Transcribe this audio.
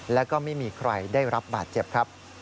และก็ไม่มีใครได้รับบาดเจ็บ